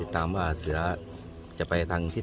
ตอนนี้เจออะไรบ้างครับ